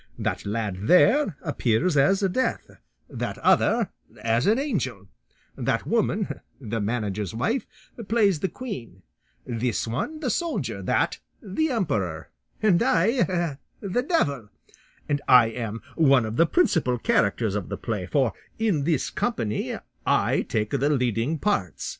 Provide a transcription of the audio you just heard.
That lad there appears as Death, that other as an angel, that woman, the manager's wife, plays the queen, this one the soldier, that the emperor, and I the devil; and I am one of the principal characters of the play, for in this company I take the leading parts.